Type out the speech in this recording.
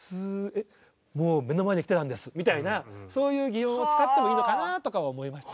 えっもう目の前で来てたんですみたいなそういう擬音を使ってもいいのかなあとか思いました。